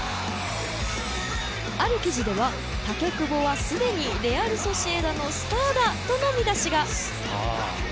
ある記事では、タケ・クボはすでにレアル・ソシエダのスターだとの見出しが。